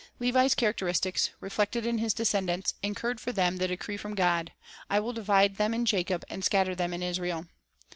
Levi's charac teristics, reflected in his descendants, incurred for them the decree from God, "I will divide them in Jacob, and scatter them in Israel."